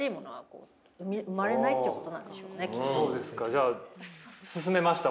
じゃあ進めました？